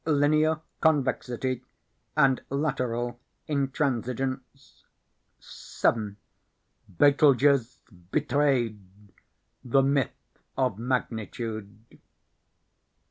Linear Convexity and Lateral Intransigence. 7. Betelgeuse Betrayed the Myth of Magnitude.